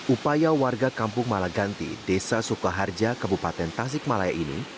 upaya warga kampung malaganti desa sukaharja kabupaten tasikmalaya ini